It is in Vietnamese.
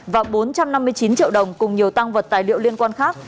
và bốn trăm năm mươi chín triệu đồng cùng nhiều tăng vật tài liệu liên quan khác